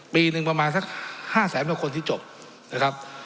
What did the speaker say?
ปีหนึ่งประมาณสัก๕แสนกว่าคนที่จบนะครับ